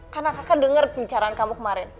karena kakak denger pembicaraan kamu kemarin